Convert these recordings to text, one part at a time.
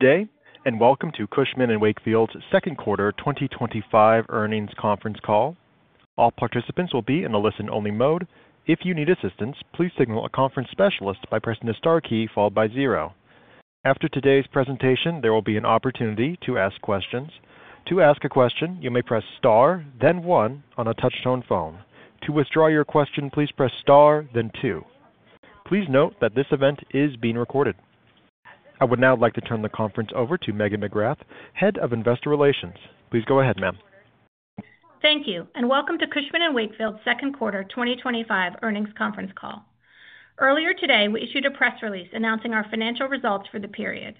Today, and welcome to Cushman & Wakefield's second quarter 2025 earnings conference call. All participants will be in a listen-only mode. If you need assistance, please signal a conference specialist by pressing the star key followed by zero. After today's presentation, there will be an opportunity to ask questions. To ask a question, you may press star, then one on a touch-tone phone. To withdraw your question, please press star, then two. Please note that this event is being recorded. I would now like to turn the conference over to Megan McGrath, Head of Investor Relations. Please go ahead, ma'am. Thank you, and welcome to Cushman & Wakefield's second quarter 2025 earnings conference call. Earlier today, we issued a press release announcing our financial results for the period.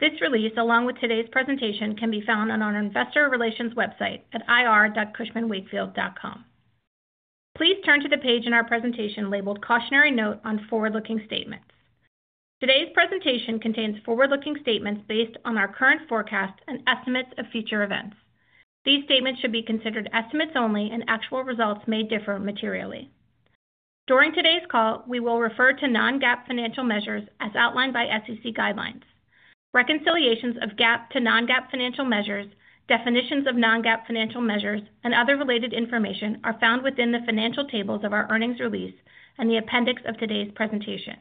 This release, along with today's presentation, can be found on our investor relations website at ir.cushmanwakefield.com. Please turn to the page in our presentation labeled Cautionary Note on Forward-Looking Statements. Today's presentation contains forward-looking statements based on our current forecast and estimates of future events. These statements should be considered estimates only, and actual results may differ materially. During today's call, we will refer to non-GAAP financial measures as outlined by SEC guidelines. Reconciliations of GAAP to non-GAAP financial measures, definitions of non-GAAP financial measures, and other related information are found within the financial tables of our earnings release and the appendix of today's presentation.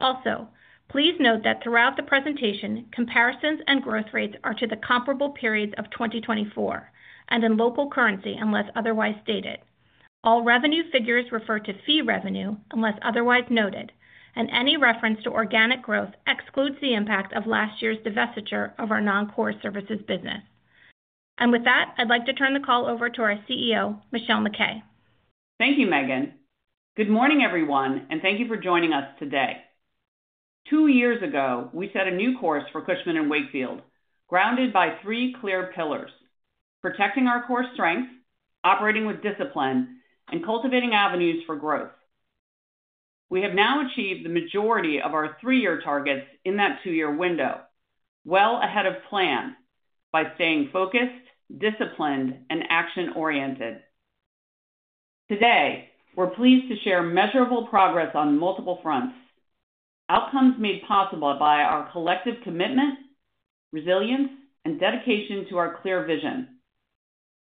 Also, please note that throughout the presentation, comparisons and growth rates are to the comparable periods of 2024 and in local currency unless otherwise stated. All revenue figures refer to fee revenue unless otherwise noted, and any reference to organic growth excludes the impact of last year's divestiture of our non-core services business. With that, I'd like to turn the call over to our CEO, Michelle MacKay. Thank you, Megan. Good morning, everyone, and thank you for joining us today. Two years ago, we set a new course for Cushman & Wakefield, grounded by three clear pillars: protecting our core strengths, operating with discipline, and cultivating avenues for growth. We have now achieved the majority of our three-year targets in that two-year window, well ahead of plan by staying focused, disciplined, and action-oriented. Today, we're pleased to share measurable progress on multiple fronts, outcomes made possible by our collective commitment, resilience, and dedication to our clear vision.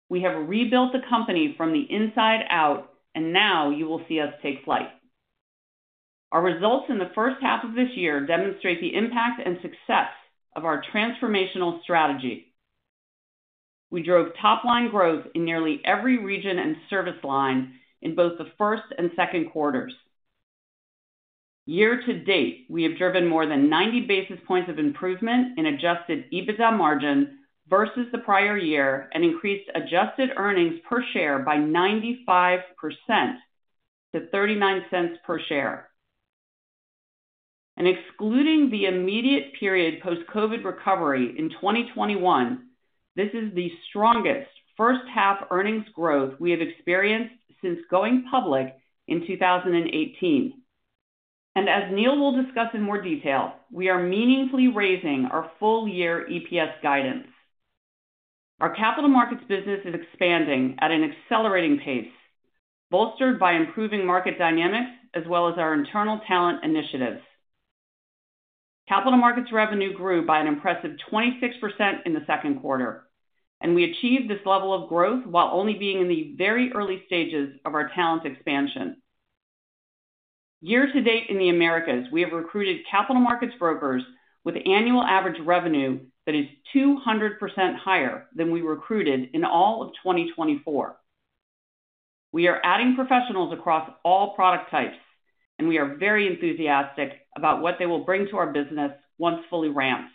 We have rebuilt the company from the inside out, and now you will see us take flight. Our results in the first half of this year demonstrate the impact and success of our transformational strategy. We drove top-line growth in nearly every region and service line in both the first and second quarters. Year to date, we have driven more than 90 basis points of improvement in adjusted EBITDA margin versus the prior year and increased adjusted EPS by 95% to $0.39 per share. Excluding the immediate period post-COVID recovery in 2021, this is the strongest first-half earnings growth we have experienced since going public in 2018. As Neil will discuss in more detail, we are meaningfully raising our full-year EPS guidance. Our capital markets business is expanding at an accelerating pace, bolstered by improving market dynamics as well as our internal talent initiatives. Capital markets revenue grew by an impressive 26% in the second quarter, and we achieved this level of growth while only being in the very early stages of our talent expansion. Year to date in the Americas, we have recruited capital markets brokers with annual average revenue that is 200% higher than we recruited in all of 2024. We are adding professionals across all product types, and we are very enthusiastic about what they will bring to our business once fully ramped.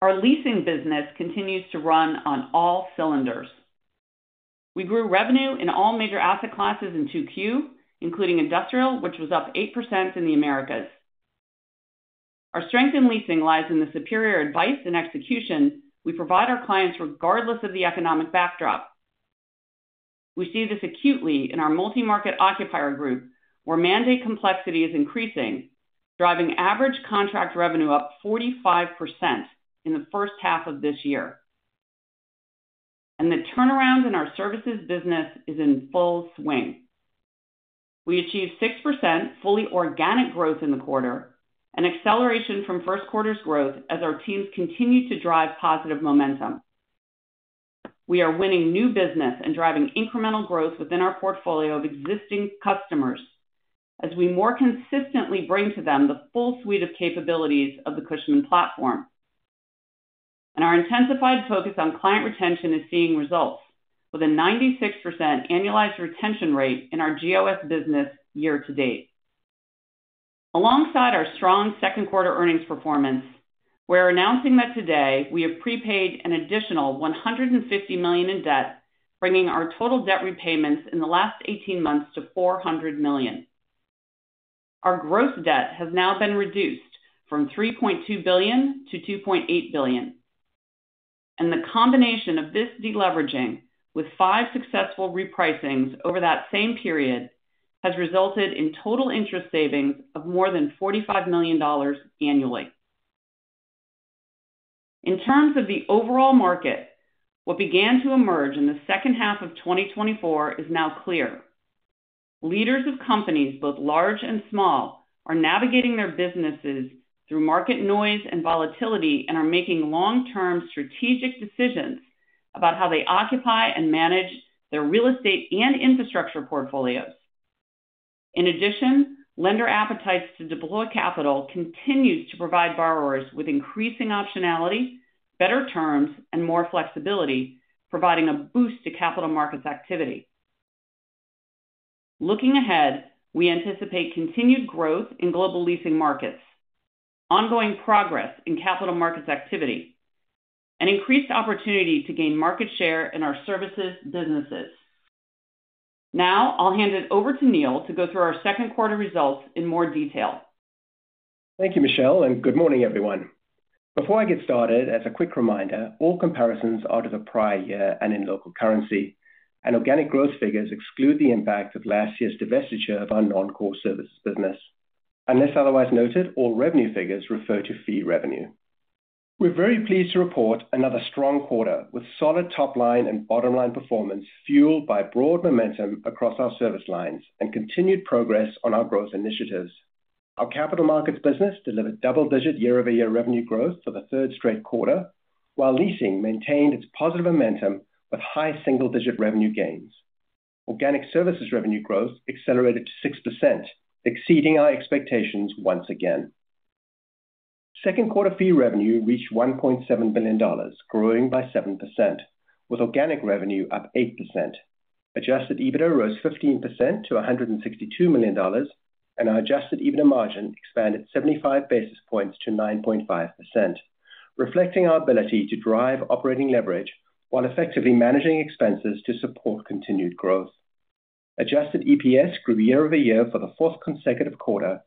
Our leasing business continues to run on all cylinders. We grew revenue in all major asset classes in 2Q, including industrial, which was up 8% in the Americas. Our strength in leasing lies in the superior advice and execution we provide our clients regardless of the economic backdrop. We see this acutely in our multi-market occupier group, where mandate complexity is increasing, driving average contract revenue up 45% in the first half of this year. The turnaround in our services business is in full swing. We achieved 6% fully organic growth in the quarter, an acceleration from first quarter's growth as our teams continue to drive positive momentum. We are winning new business and driving incremental growth within our portfolio of existing customers as we more consistently bring to them the full suite of capabilities of the Cushman platform. Our intensified focus on client retention is seeing results, with a 96% annualized retention rate in our GOS business year to date. Alongside our strong second quarter earnings performance, we're announcing that today we have prepaid an additional $150 million in debt, bringing our total debt repayments in the last 18 months to $400 million. Our gross debt has now been reduced from $3.2 billion to $2.8 billion. The combination of this deleveraging with five successful repricings over that same period has resulted in total interest savings of more than $45 million annually. In terms of the overall market, what began to emerge in the second half of 2024 is now clear. Leaders of companies, both large and small, are navigating their businesses through market noise and volatility and are making long-term strategic decisions about how they occupy and manage their real estate and infrastructure portfolios. In addition, lender appetites to deploy capital continue to provide borrowers with increasing optionality, better terms, and more flexibility, providing a boost to capital markets activity. Looking ahead, we anticipate continued growth in global leasing markets, ongoing progress in capital markets activity, and increased opportunity to gain market share in our services businesses. Now, I'll hand it over to Neil to go through our second quarter results in more detail. Thank you, Michelle, and good morning, everyone. Before I get started, as a quick reminder, all comparisons are to the prior year and in local currency, and organic growth figures exclude the impact of last year's divestiture of our non-core services business. Unless otherwise noted, all revenue figures refer to fee revenue. We're very pleased to report another strong quarter with solid top-line and bottom-line performance fueled by broad momentum across our service lines and continued progress on our growth initiatives. Our capital markets business delivered double-digit year-over-year revenue growth for the third straight quarter, while leasing maintained its positive momentum with high single-digit revenue gains. Organic services revenue growth accelerated to 6%, exceeding our expectations once again. Second quarter fee revenue reached $1.7 billion, growing by 7%, with organic revenue up 8%. Adjusted EBITDA rose 15% to $162 million, and our adjusted EBITDA margin expanded 75 basis points to 9.5%, reflecting our ability to drive operating leverage while effectively managing expenses to support continued growth. Adjusted EPS grew year over year for the fourth consecutive quarter,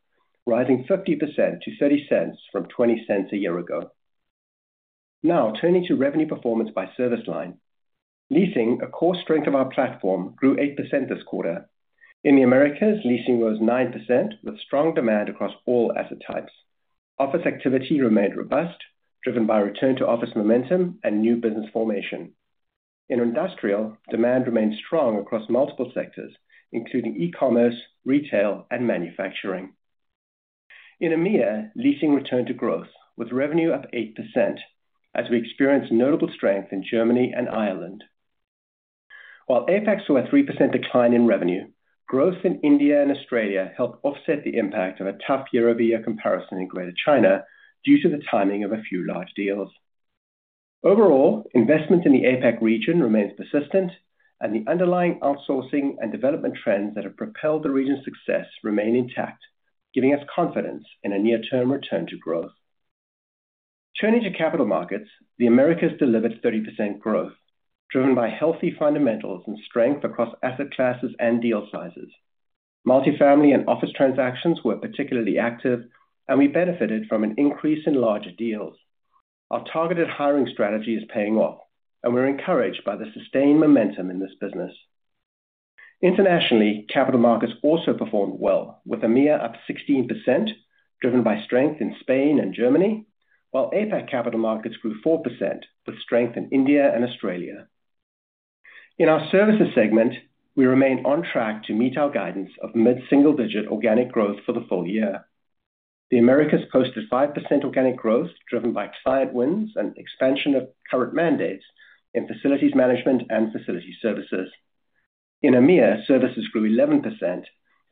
rising 50% to $0.30 from $0.20 a year ago. Now, turning to revenue performance by service line, leasing, a core strength of our platform, grew 8% this quarter. In the Americas, leasing rose 9%, with strong demand across all asset types. Office activity remained robust, driven by return to office momentum and new business formation. In industrial, demand remained strong across multiple sectors, including e-commerce, retail, and manufacturing. In EMEA, leasing returned to growth, with revenue up 8%, as we experienced notable strength in Germany and Ireland. While APAC saw a 3% decline in revenue, growth in India and Australia helped offset the impact of a tough year-over-year comparison in Greater China due to the timing of a few large deals. Overall, investment in the APAC region remains persistent, and the underlying outsourcing and development trends that have propelled the region's success remain intact, giving us confidence in a near-term return to growth. Turning to capital markets, the Americas delivered 30% growth, driven by healthy fundamentals and strength across asset classes and deal sizes. Multifamily and office transactions were particularly active, and we benefited from an increase in larger deals. Our targeted hiring strategy is paying off, and we're encouraged by the sustained momentum in this business. Internationally, capital markets also performed well, with EMEA up 16%, driven by strength in Spain and Germany, while APAC capital markets grew 4%, with strength in India and Australia. In our services segment, we remain on track to meet our guidance of mid-single-digit organic growth for the full year. The Americas posted 5% organic growth, driven by client wins and expansion of current mandates in facilities management and facility services. In EMEA, services grew 11%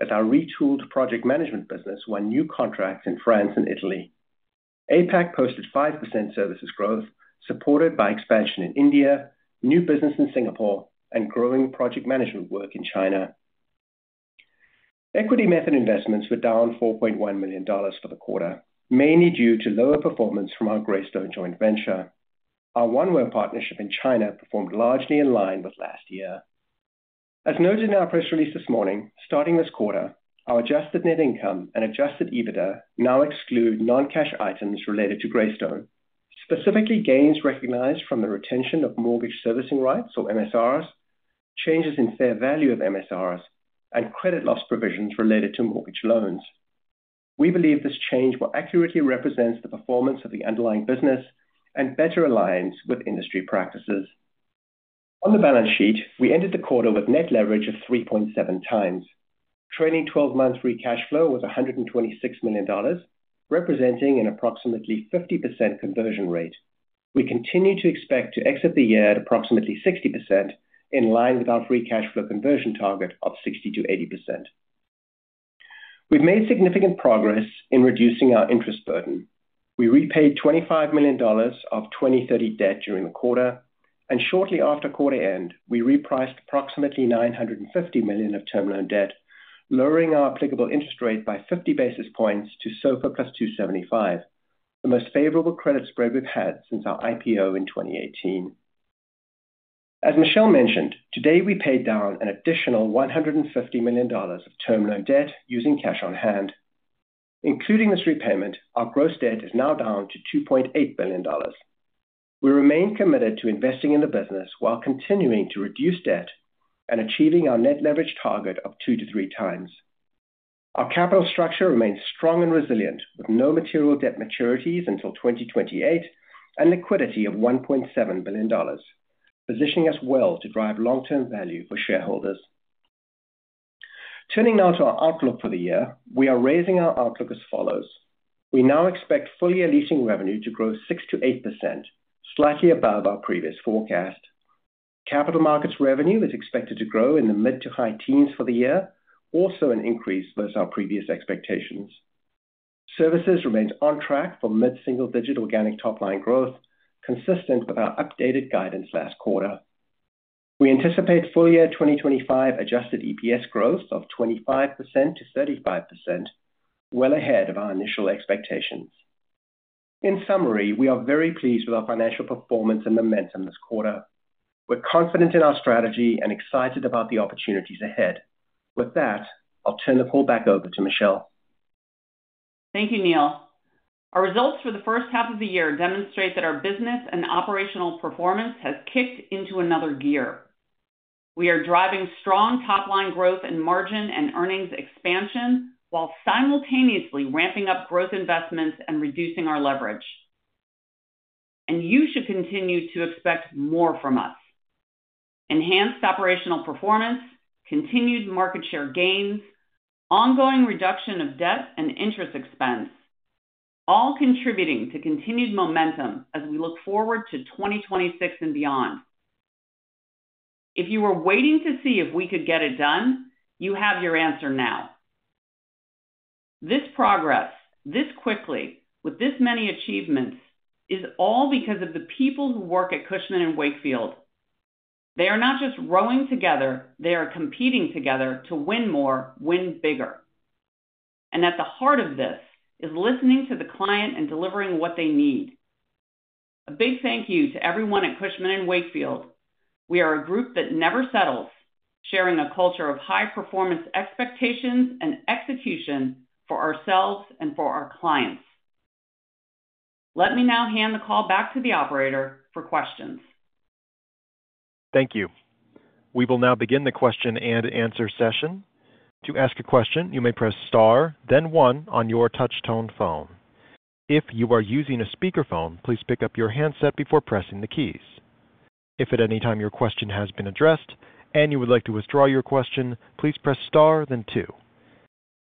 as our retooled project management business won new contracts in France and Italy. APAC posted 5% services growth, supported by expansion in India, new business in Singapore, and growing project management work in China. Equity method investments were down $4.1 million for the quarter, mainly due to lower performance from our Greystone joint venture. Our one-way partnership in China performed largely in line with last year. As noted in our press release this morning, starting this quarter, our adjusted net income and adjusted EBITDA now exclude non-cash items related to Greystone, specifically gains recognized from the retention of mortgage servicing rights, or MSRs, changes in fair value of MSRs, and credit loss provisions related to mortgage loans. We believe this change will accurately represent the performance of the underlying business and better aligns with industry practices. On the balance sheet, we ended the quarter with net leverage of 3.7x. Trailing 12 months free cash flow was $126 million, representing an approximately 50% conversion rate. We continue to expect to exit the year at approximately 60%, in line with our free cash flow conversion target of 60% to 80%. We've made significant progress in reducing our interest burden. We repaid $25 million of 2030 debt during the quarter, and shortly after quarter end, we repriced approximately $950 million of term loan debt, lowering our applicable interest rate by 50 basis points to SOFA +$275,000, the most favorable credit spread we've had since our IPO in 2018. As Michelle mentioned, today we paid down an additional $150 million of term loan debt using cash on hand. Including this repayment, our gross debt is now down to $2.8 billion. We remain committed to investing in the business while continuing to reduce debt and achieving our net leverage target of 2x to 3x. Our capital structure remains strong and resilient, with no material debt maturities until 2028 and liquidity of $1.7 billion, positioning us well to drive long-term value for shareholders. Turning now to our outlook for the year, we are raising our outlook as follows. We now expect full-year leasing revenue to grow 6% to 8%, slightly above our previous forecast. Capital markets revenue is expected to grow in the mid to high teens for the year, also an increase versus our previous expectations. Services remains on track for mid-single-digit organic top-line growth, consistent with our updated guidance last quarter. We anticipate full-year 2025 adjusted EPS growth of 25% to 35%, well ahead of our initial expectations. In summary, we are very pleased with our financial performance and momentum this quarter. We're confident in our strategy and excited about the opportunities ahead. With that, I'll turn the call back over to Michelle. Thank you, Neil. Our results for the first half of the year demonstrate that our business and operational performance have kicked into another gear. We are driving strong top-line growth in margin and earnings expansion while simultaneously ramping up growth investments and reducing our leverage. You should continue to expect more from us: enhanced operational performance, continued market share gains, ongoing reduction of debt and interest expense, all contributing to continued momentum as we look forward to 2026 and beyond. If you were waiting to see if we could get it done, you have your answer now. This progress, this quickly, with this many achievements, is all because of the people who work at Cushman & Wakefield. They are not just rowing together; they are competing together to win more, win bigger. At the heart of this is listening to the client and delivering what they need. A big thank you to everyone at Cushman & Wakefield. We are a group that never settles, sharing a culture of high-performance expectations and execution for ourselves and for our clients. Let me now hand the call back to the operator for questions. Thank you. We will now begin the question and answer session. To ask a question, you may press star, then one on your touch-tone phone. If you are using a speakerphone, please pick up your handset before pressing the keys. If at any time your question has been addressed and you would like to withdraw your question, please press star, then two.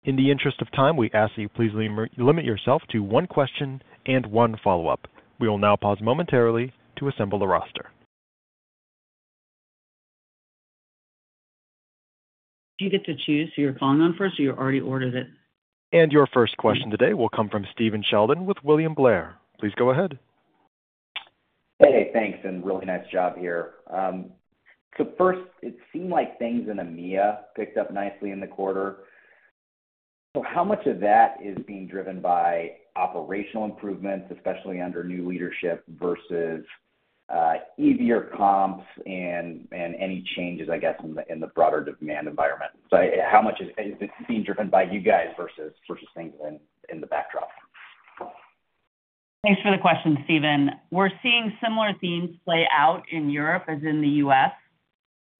In the interest of time, we ask that you please limit yourself to one question and one follow-up. We will now pause momentarily to assemble the roster. Do you get to choose who you're calling on first, or have you already ordered it? Your first question today will come from Stephen Sheldon with William Blair. Please go ahead. Hey, thanks, and really nice job here. It seemed like things in EMEA picked up nicely in the quarter. How much of that is being driven by operational improvements, especially under new leadership, versus easier comps and any changes, I guess, in the broader demand environment? How much is it being driven by you guys versus things in the backdrop? Thanks for the question, Stephen. We're seeing similar themes play out in Europe as in the U.S.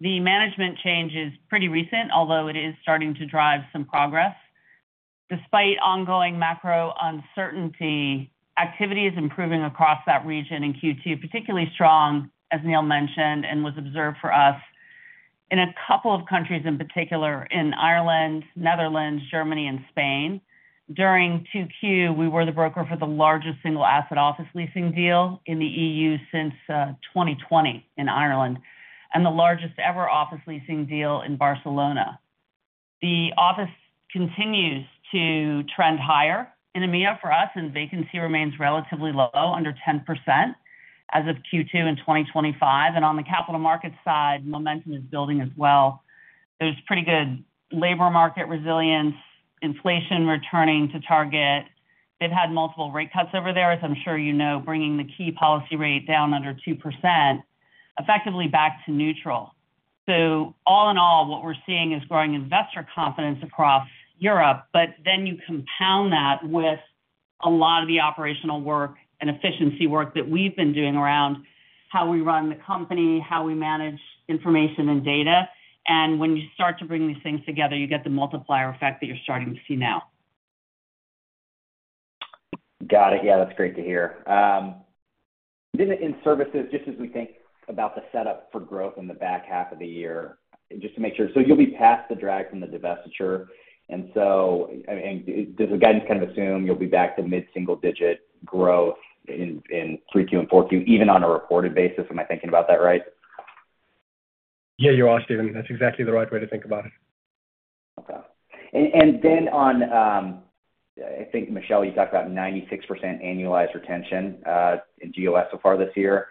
The management change is pretty recent, although it is starting to drive some progress. Despite ongoing macro uncertainty, activity is improving across that region in Q2, particularly strong, as Neil mentioned and was observed for us in a couple of countries in particular, in Ireland, Netherlands, Germany, and Spain. During Q2, we were the broker for the largest single-asset office leasing deal in the EU since 2020 in Ireland and the largest ever office leasing deal in Barcelona. The office continues to trend higher in EMEA for us, and vacancy remains relatively low, under 10% as of Q2 in 2025. On the capital markets side, momentum is building as well. There's pretty good labor market resilience, inflation returning to target. They've had multiple rate cuts over there, as I'm sure you know, bringing the key policy rate down under 2%, effectively back to neutral. All in all, what we're seeing is growing investor confidence across Europe. You compound that with a lot of the operational work and efficiency work that we've been doing around how we run the company, how we manage information and data. When you start to bring these things together, you get the multiplier effect that you're starting to see now. Got it. Yeah, that's great to hear. In services, just as we think about the setup for growth in the back half of the year, just to make sure, you'll be past the drag from the divestiture. Does the guidance kind of assume you'll be back to mid-single-digit growth in 3Q and 4Q, even on a reported basis? Am I thinking about that right? Yeah, you are, Stephen. That's exactly the right way to think about it. Michelle, you talked about 96% annualized retention in GOS so far this year.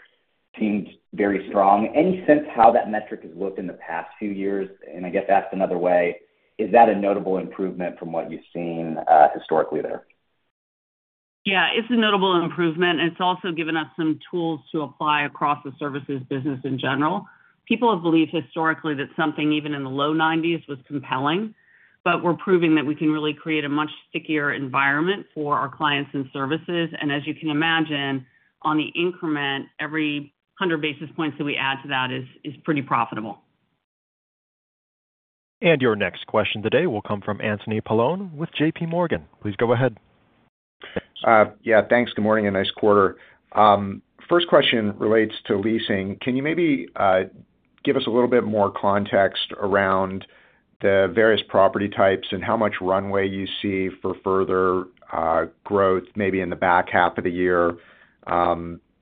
It seems very strong. Any sense how that metric has looked in the past few years? I guess asked another way, is that a notable improvement from what you've seen historically there? Yeah, it's a notable improvement. It's also given us some tools to apply across the services business in general. People have believed historically that something even in the low 90% was compelling, but we're proving that we can really create a much stickier environment for our clients and services. As you can imagine, on the increment, every 100 basis points that we add to that is pretty profitable. Your next question today will come from Anthony Paolone with JPMorgan. Please go ahead. Yeah, thanks. Good morning and nice quarter. First question relates to leasing. Can you maybe give us a little bit more context around the various property types and how much runway you see for further growth, maybe in the back half of the year?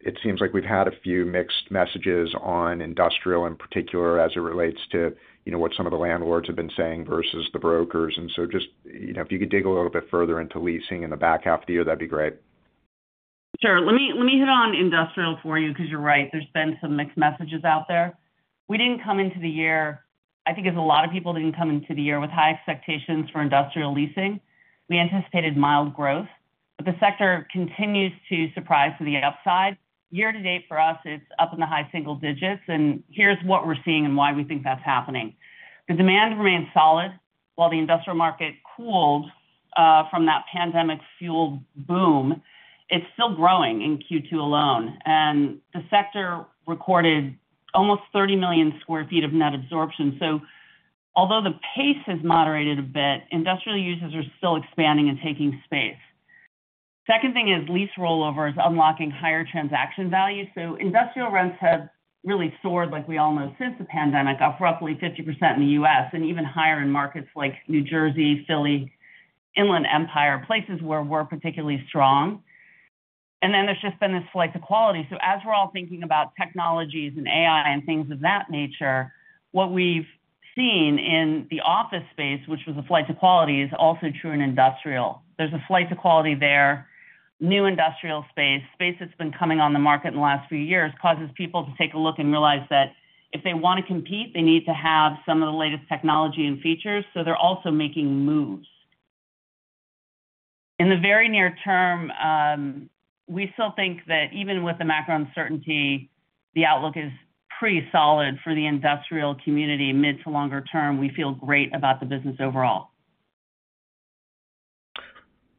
It seems like we've had a few mixed messages on industrial in particular as it relates to what some of the landlords have been saying versus the brokers. If you could dig a little bit further into leasing in the back half of the year, that'd be great. Sure. Let me hit on industrial for you because you're right, there's been some mixed messages out there. We didn't come into the year, I think as a lot of people didn't come into the year with high expectations for industrial leasing. We anticipated mild growth, but the sector continues to surprise to the upside. Year to date for us, it's up in the high single digits, and here's what we're seeing and why we think that's happening. The demand remains solid. While the industrial market cooled from that pandemic-fueled boom, it's still growing in Q2 alone, and the sector recorded almost 30 million sq ft of net absorption. Although the pace has moderated a bit, industrial users are still expanding and taking space. The second thing is lease rollovers unlocking higher transaction values. Industrial rents have really soared like we all know since the pandemic, up roughly 50% in the U.S. and even higher in markets like New Jersey, Philly, Inland Empire, places where we're particularly strong. There's just been this flight to quality. As we're all thinking about technologies and AI and things of that nature, what we've seen in the office space, which was a flight to quality, is also true in industrial. There's a flight to quality there. New industrial space, space that's been coming on the market in the last few years, causes people to take a look and realize that if they want to compete, they need to have some of the latest technology and features. They're also making moves. In the very near term, we still think that even with the macro uncertainty, the outlook is pretty solid for the industrial community mid to longer term. We feel great about the business overall.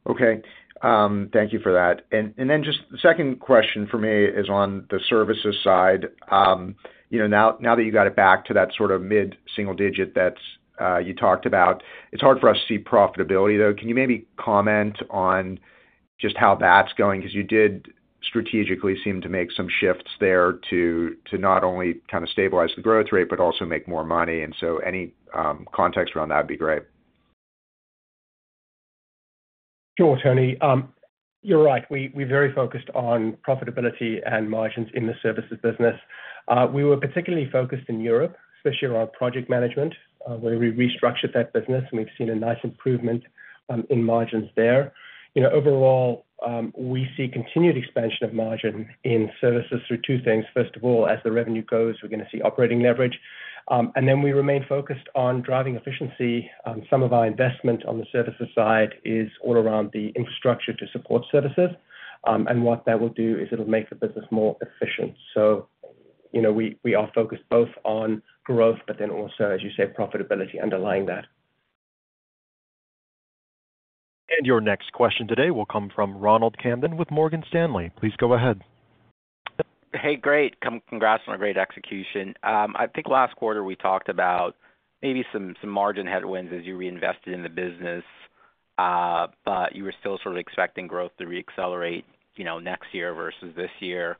Okay. Thank you for that. The second question for me is on the services side. Now that you've got it back to that sort of mid-single digit that you talked about, it's hard for us to see profitability, though. Can you maybe comment on just how that's going? You did strategically seem to make some shifts there to not only kind of stabilize the growth rate, but also make more money. Any context around that would be great. Sure, Tony. You're right. We're very focused on profitability and margins in the services business. We were particularly focused in Europe, especially around project management, where we restructured that business, and we've seen a nice improvement in margins there. Overall, we see continued expansion of margin in services through two things. First of all, as the revenue goes, we're going to see operating leverage. We remain focused on driving efficiency. Some of our investment on the services side is all around the infrastructure to support services, and what that will do is it'll make the business more efficient. We are focused both on growth, but then also, as you say, profitability underlying that. Your next question today will come from Ronald Kamdem with Morgan Stanley. Please go ahead. Hey, great. Congrats on a great execution. I think last quarter we talked about maybe some margin headwinds as you reinvested in the business, but you were still sort of expecting growth to reaccelerate next year versus this year.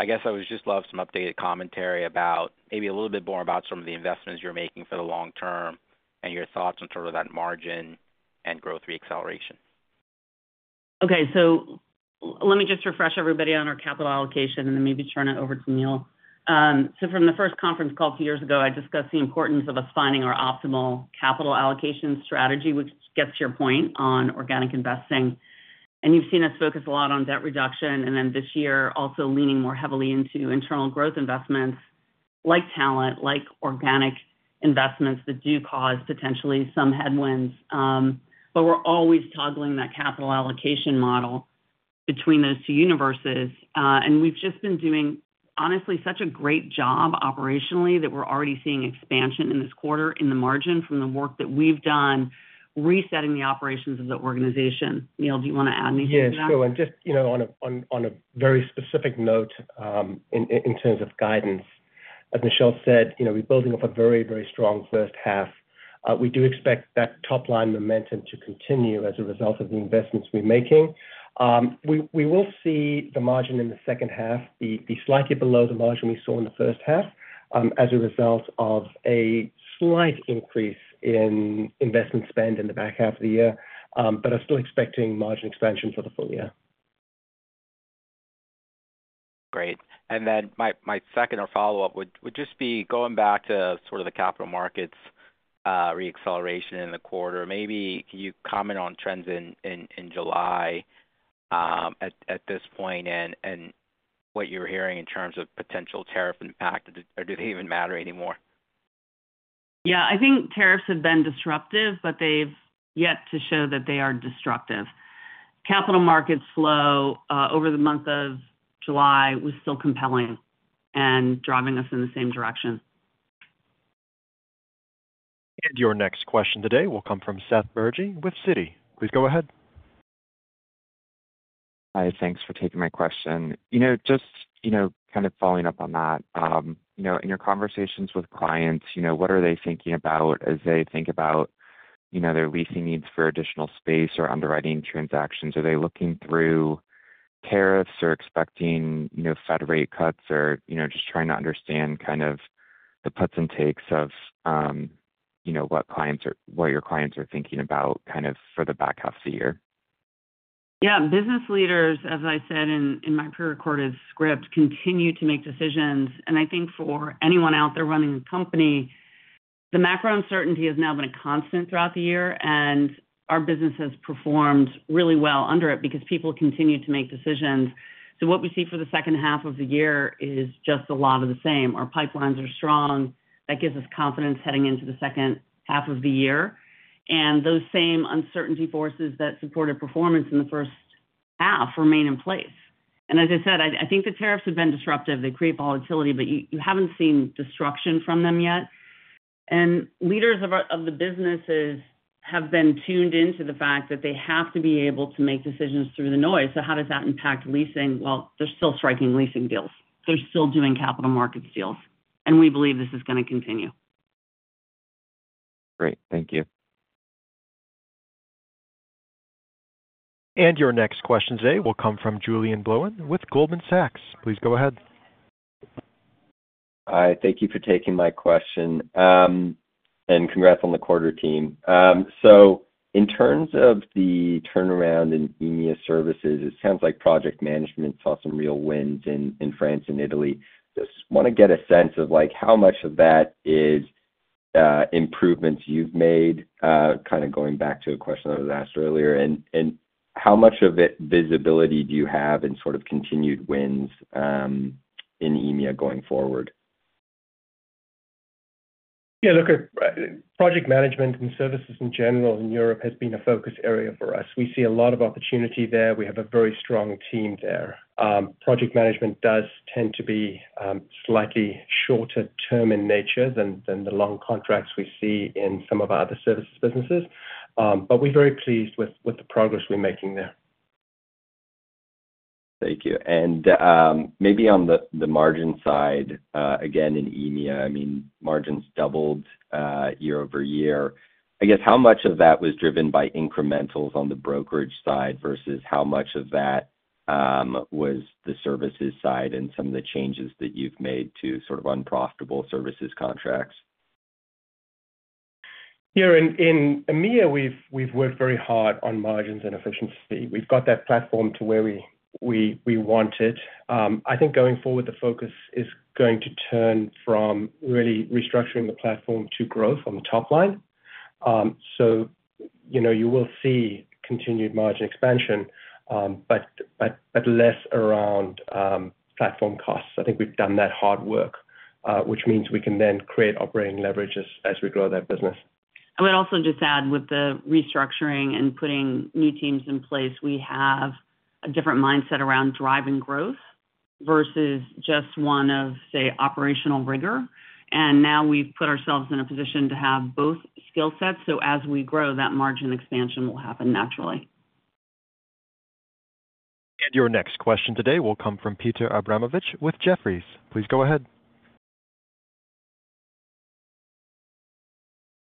I guess I would just love some updated commentary about maybe a little bit more about some of the investments you're making for the long term and your thoughts on sort of that margin and growth reacceleration. Okay, let me just refresh everybody on our capital allocation and then maybe turn it over to Neil. From the first conference call two years ago, I discussed the importance of us finding our optimal capital allocation strategy, which gets to your point on organic investing. You've seen us focus a lot on debt reduction, and this year also leaning more heavily into internal growth investments like talent, like organic investments that do cause potentially some headwinds. We're always toggling that capital allocation model between those two universes. We've just been doing honestly such a great job operationally that we're already seeing expansion in this quarter in the margin from the work that we've done resetting the operations of the organization. Neil, do you want to add anything to that? Yeah, sure. Just, you know, on a very specific note in terms of guidance, as Michelle said, you know, we're building off a very, very strong first half. We do expect that top-line momentum to continue as a result of the investments we're making. We will see the margin in the second half be slightly below the margin we saw in the first half as a result of a slight increase in investment spend in the back half of the year, but are still expecting margin expansion for the full year. Great. My second or follow-up would just be going back to the capital markets reacceleration in the quarter. Maybe can you comment on trends in July at this point and what you're hearing in terms of potential tariff impact, or do they even matter anymore? I think tariffs have been disruptive, but they've yet to show that they are disruptive. Capital market flow over the month of July was still compelling and driving us in the same direction. Your next question today will come from Seth Bergey with Citi. Please go ahead. Hi, thanks for taking my question. Just kind of following up on that, in your conversations with clients, what are they thinking about as they think about their leasing needs for additional space or underwriting transactions? Are they looking through tariffs or expecting Fed rate cuts? I'm just trying to understand the puts and takes of what your clients are thinking about for the back half of the year. Yeah, business leaders, as I said in my prerecorded script, continue to make decisions. I think for anyone out there running a company, the macro uncertainty has now been a constant throughout the year, and our business has performed really well under it because people continue to make decisions. What we see for the second half of the year is just a lot of the same. Our pipelines are strong. That gives us confidence heading into the second half of the year. Those same uncertainty forces that supported performance in the first half remain in place. As I said, I think the tariffs have been disruptive. They create volatility, but you haven't seen destruction from them yet. Leaders of the businesses have been tuned into the fact that they have to be able to make decisions through the noise. How does that impact leasing? They're still striking leasing deals. They're still doing capital markets deals. We believe this is going to continue. Great, thank you. Your next question today will come from Julien Blouin with Goldman Sachs. Please go ahead. Hi, thank you for taking my question. Congrats on the quarter, team. In terms of the turnaround in EMEA services, it sounds like project management saw some real wins in France and Italy. I just want to get a sense of how much of that is improvements you've made, kind of going back to a question I was asked earlier. How much visibility do you have in continued wins in EMEA going forward? Yeah, look, project management and services in general in Europe has been a focus area for us. We see a lot of opportunity there. We have a very strong team there. Project management does tend to be slightly shorter-term in nature than the long contracts we see in some of our other services businesses. We're very pleased with the progress we're making there. Thank you. Maybe on the margin side, again in EMEA, margins doubled year-over-year. I guess how much of that was driven by incrementals on the brokerage side versus how much of that was the services side and some of the changes that you've made to sort of unprofitable services contracts? Yeah, in EMEA, we've worked very hard on margins and efficiency. We've got that platform to where we want it. I think going forward, the focus is going to turn from really restructuring the platform to growth on the top line. You will see continued margin expansion, but less around platform costs. I think we've done that hard work, which means we can then create operating leverage as we grow that business. I would also just add with the restructuring and putting new teams in place, we have a different mindset around driving growth versus just one of, say, operational rigor. We have put ourselves in a position to have both skill sets. As we grow, that margin expansion will happen naturally. Your next question today will come from Peter Abramowitz with Jefferies. Please go ahead.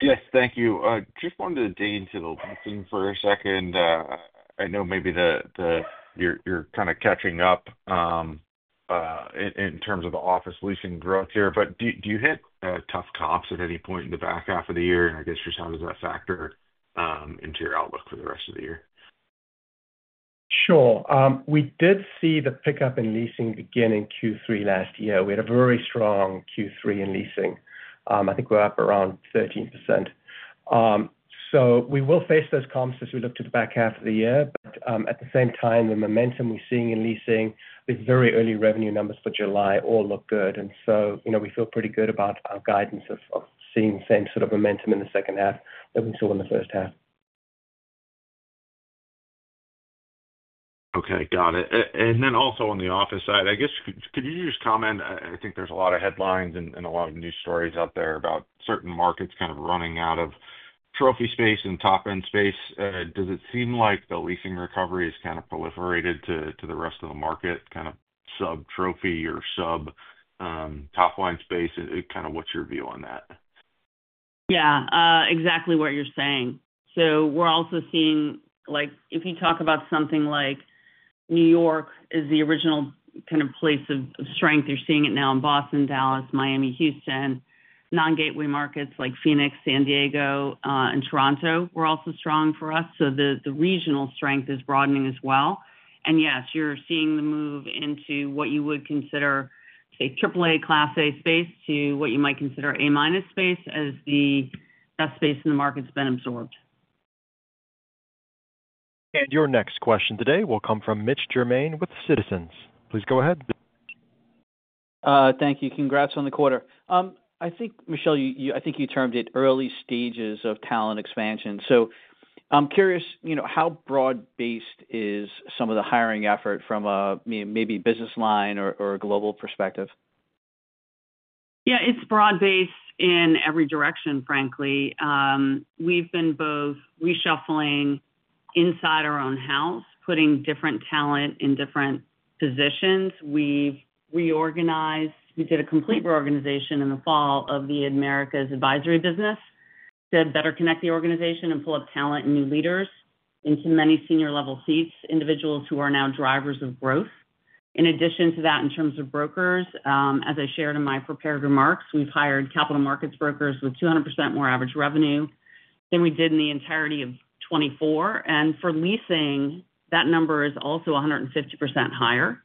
Yes, thank you. Just wanted to dig into the leasing for a second. I know maybe you're kind of catching up in terms of the office leasing growth here, but do you hit tough comps at any point in the back half of the year? I guess just how does that factor into your outlook for the rest of the year? Sure. We did see the pickup in leasing beginning Q3 last year. We had a very strong Q3 in leasing. I think we're up around 13%. We will face those comps as we look to the back half of the year. At the same time, the momentum we're seeing in leasing, the very early revenue numbers for July all look good. We feel pretty good about our guidance of seeing the same sort of momentum in the second half that we saw in the first half. Okay, got it. Also, on the office side, I guess could you just comment? I think there's a lot of headlines and a lot of news stories out there about certain markets kind of running out of trophy space and top-end space. Does it seem like the leasing recovery has kind of proliferated to the rest of the market, kind of sub-trophy or sub-top-line space? What's your view on that? Exactly what you're saying. We're also seeing, if you talk about something like New York as the original kind of place of strength, you're seeing it now in Boston, Dallas, Miami, Houston. Non-gateway markets like Phoenix, San Diego, and Toronto were also strong for us. The regional strength is broadening as well. Yes, you're seeing the move into what you would consider, say, AAA Class A space to what you might consider A-minus space as the space in the market's been absorbed. Your next question today will come from Mitch Germain with Citizens. Please go ahead. Thank you. Congrats on the quarter. I think, Michelle, you termed it early stages of talent expansion. I'm curious, you know, how broad-based is some of the hiring effort from a maybe business line or a global perspective? Yeah, it's broad-based in every direction, frankly. We've been both reshuffling inside our own house, putting different talent in different positions. We've reorganized. We did a complete reorganization in the fall of the Americas advisory business to better connect the organization and pull up talent and new leaders into many senior-level seats, individuals who are now drivers of growth. In addition to that, in terms of brokers, as I shared in my prepared remarks, we've hired capital markets brokers with 200% more average revenue than we did in the entirety of 2024. For leasing, that number is also 150% higher.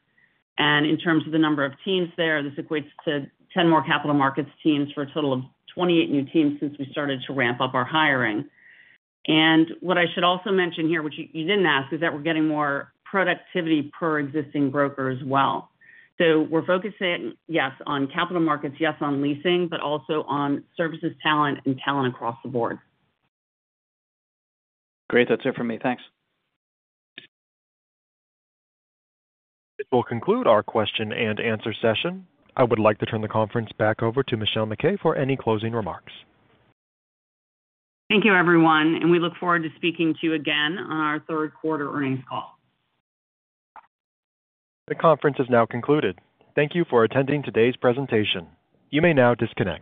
In terms of the number of teams there, this equates to 10 more capital markets teams for a total of 28 new teams since we started to ramp up our hiring. What I should also mention here, which you didn't ask, is that we're getting more productivity per existing broker as well. We're focusing, yes, on capital markets, yes, on leasing, but also on services talent and talent across the board. Great, that's it for me. Thanks. This will conclude our question and answer session. I would like to turn the conference back over to Michelle MacKay for any closing remarks. Thank you, everyone, and we look forward to speaking to you again on our third quarter earnings call. The conference is now concluded. Thank you for attending today's presentation. You may now disconnect.